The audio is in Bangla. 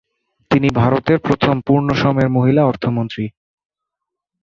তিনি ভারতের প্রথম পূর্ণ সময়ের মহিলা অর্থমন্ত্রী।